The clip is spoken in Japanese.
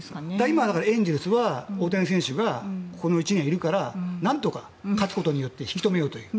今、エンゼルスは大谷選手がこの１年いるから何とか勝つことによって引き留めようという。